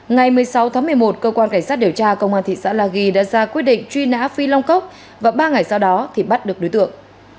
ngày một mươi sáu tháng một mươi một cơ quan cảnh sát điều tra công an thị xã la ghi đã ra quyết định truy nã phi long cốc và ba ngày sau đó thì bắt được đối tượng